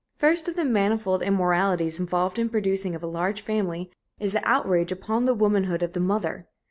First of the manifold immoralities involved in the producing of a large family is the outrage upon the womanhood of the mother.